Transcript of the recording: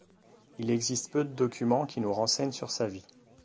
Il existe peu de documents qui nous renseignent sur sa vie.